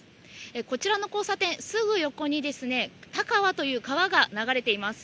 こちらの交差点、すぐ横にたかわという川が流れています。